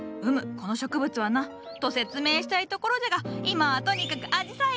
この植物はなと説明したいところじゃが今はとにかくあじさいるんるん！